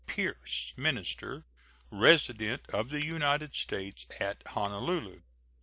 Pierce, minister resident of the United States at Honolulu.